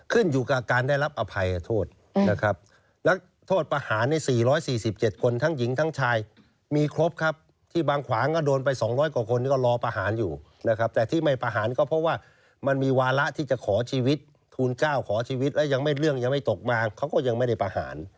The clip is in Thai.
ขึ้นอยู่กับการได้รับอภัยโทษนะครับนักโทษประหารใน๔๔๗คนทั้งหญิงทั้งชายมีครบครับที่บางขวางก็โดนไป๒๐๐กว่าคนก็รอประหารอยู่นะครับแต่ที่ไม่ประหารก็เพราะว่ามันมีวาระที่จะขอชีวิตทูล๙ขอชีวิตแล้วยังไม่เรื่องยังไม่ตกมาเขาก็ยังไม่ได้ประหาร